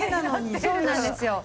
そうなんですよ。